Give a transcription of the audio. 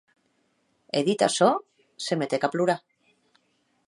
E dit açò, se metec a plorar.